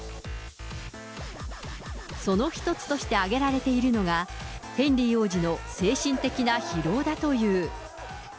その一つとして挙げられているのが、ヘンリー王子の精神的な疲労だという。